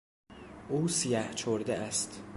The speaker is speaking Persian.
او سیهچرده است.